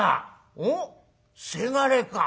「おっせがれか。